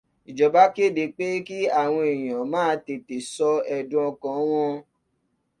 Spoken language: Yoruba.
Ìjọba kéde pé kí àwọn èèyàn máa tètè sọ ẹ̀dùn ọkàn wọn.